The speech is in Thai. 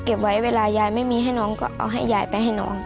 เก็บไว้เวลายายไม่มีให้น้องก็เอาให้ยายไปให้น้อง